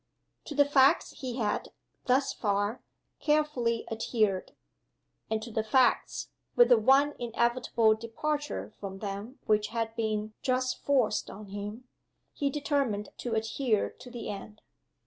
To the facts he had, thus far, carefully adhered; and to the facts (with the one inevitable departure from them which had been just forced on him) he determined to adhere to the end.